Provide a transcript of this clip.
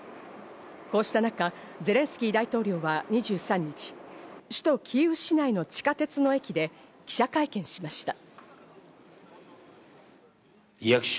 こうした中、ゼレンスキー大統領は２３日、首都キーウ市内の地下鉄の駅で記者会見しました。